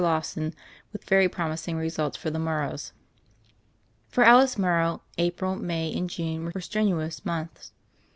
LAWSON WITH VERY PROM ISING RESULTS FOR THE MORROWS FOR Alice Morrow, April, May, and June were strenuous months.